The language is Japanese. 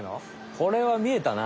これはみえたな。